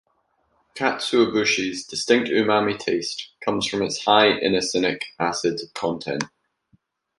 Katsuobushi's distinct umami taste comes from its high inosinic acid content.